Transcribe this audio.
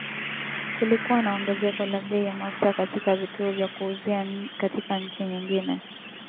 Kulikuwa na ongezeko la bei ya mafuta katika vituo vya kuuzia katika nchi nyingine